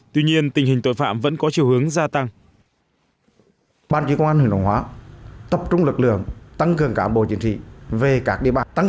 tuy nhiên tình hình tội phạm vẫn có chiều hướng gia tăng